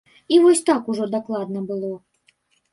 І вось так ужо дакладна было.